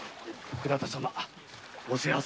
倉田様